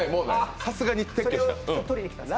さすがに撤去した。